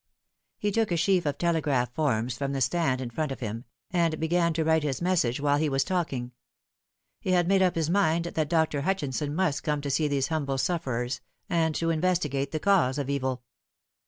He took a sheaf of telegraph forms from the stand in front of him, and began to write his message while he was talking. He had made up his mind that Dr. Hutchinson must come to see these humble sufferers, and to investigate the cause of evil.